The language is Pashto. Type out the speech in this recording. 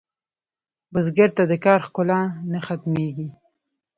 بزګر ته د کار ښکلا نه ختمېږي